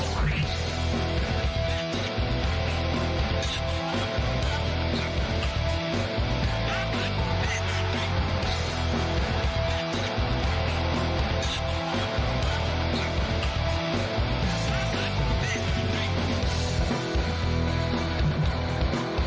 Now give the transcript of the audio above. โปรดติดตามต่อไป